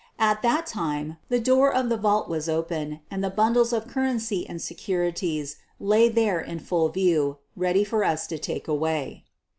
At that time the* door of the vault was open, and the bundles of cur \ rency and securities Irj there in full view, ready for us to take away.